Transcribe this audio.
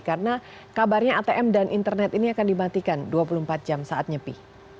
karena kabarnya atm dan internet ini akan dimatikan dua puluh empat jam saat nyepi